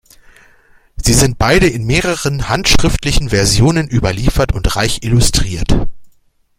Sie sind beide in mehreren handschriftlichen Versionen überliefert und reich illustriert.